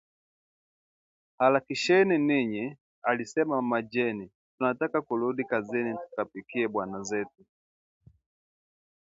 "Harakisheni nyinyi!" Alisema mama Jeni, "Tunataka kurudi kazini tukapikie bwana zetu